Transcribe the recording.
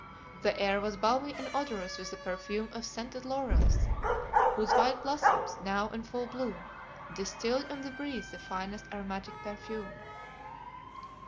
The air was balmy and odorous with the perfume of scented laurels, whose white blossoms, now in full bloom, distilled on the breeze the finest aromatic perfume.